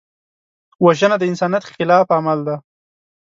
وژنه د انسانیت خلاف عمل دی